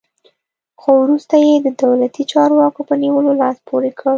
خو وروسته یې د دولتي چارواکو په نیولو لاس پورې کړ.